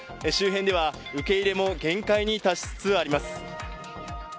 周辺では、受け入れも限界に達しつつあります。